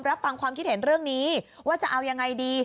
รับฟังความคิดเห็นเรื่องนี้ว่าจะเอายังไงดี